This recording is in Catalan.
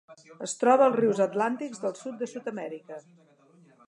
Es troba als rius atlàntics del sud de Sud-amèrica.